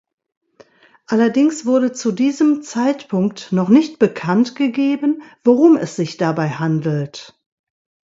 Allerdings wurde zu diesem Zeitpunkt noch nicht bekannt gegeben, worum es sich dabei handelt.